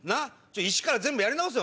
イチから全部やり直せ！